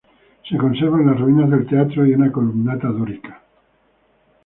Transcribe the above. Se conservan las ruinas del teatro y una columnata dórica.